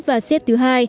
và xếp thứ hai